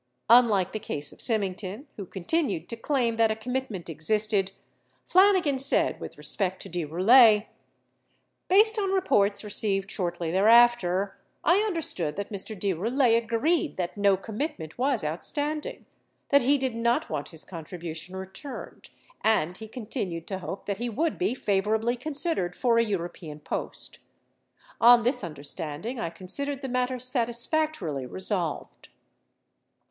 Unlike the case of Symington, who con tinued to claim that a commitment existed, Flanigan said with re spect to De Roulet : Based on reports received shortly thereafter, I understood that Mr. De Roulet agreed that no commitment was out standing, that he did not want his contribution returned, and he continued to hope that he woidd be favorably considered for a European post. On this understanding, I considered the matter satisfactorily resolved.